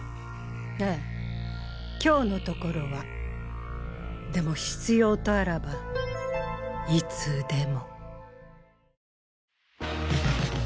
ええ今日のところはでも必要とあらばいつでも。